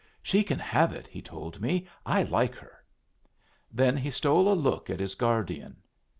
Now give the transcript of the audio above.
"She can have it," he told me. "I like her." Then he stole a look at his guardian.